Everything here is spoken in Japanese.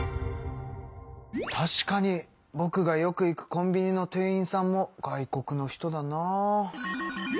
確かにぼくがよく行くコンビニの店員さんも外国の人だな。